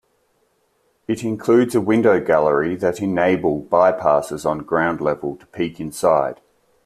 It includes a window-gallery that enable by-passers on ground level to peek inside.